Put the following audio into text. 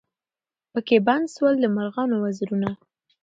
پکښي بند سول د مرغانو وزرونه